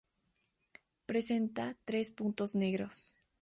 Presenta tres puntos negros.